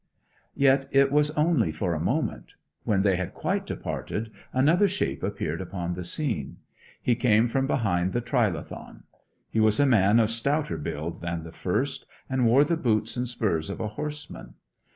Yet it was only for a moment. When they had quite departed, another shape appeared upon the scene. He came from behind the trilithon. He was a man of stouter build than the first, and wore the boots and spurs of a horseman.